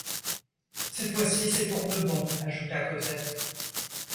Cette fois-ci, c’est pour de bon, ajouta Cosette.